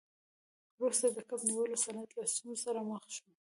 وروسته د کب نیولو صنعت له ستونزو سره مخ شو.